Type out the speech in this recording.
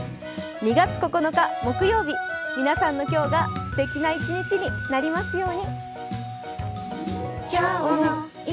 ２月９日木曜日、皆さんの今日がすてきな一日になりますように。